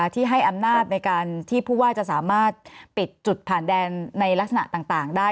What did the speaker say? ที่ให้อำนาจในการที่ผู้ว่าจะสามารถปิดจุดผ่านแดนในลักษณะต่างได้